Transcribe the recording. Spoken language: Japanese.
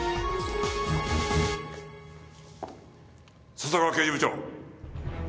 笹川刑事部長。